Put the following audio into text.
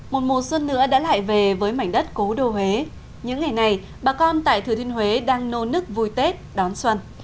một mùa xuân nữa đã lại về với mảnh đất cố đô huế những ngày này bà con tại thừa thiên huế đang nô nức vui tết đón xuân